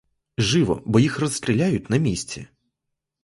Живо, бо їх розстріляють на місці!